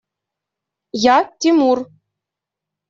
Я – Тимур.